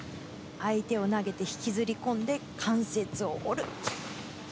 相手を投げて、引きずり込んで、関節を折る。